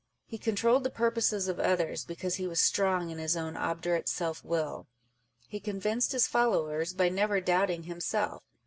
He controlled the purposes of others, because he was strong in his own obdurate self will. He convinced his followers by never doubting himself.